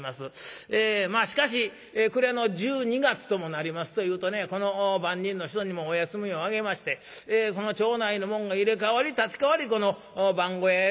しかし暮れの１２月ともなりますというとこの番人の人にもお休みをあげましてその町内の者が入れ代わり立ち代わりこの番小屋へ詰めましてですね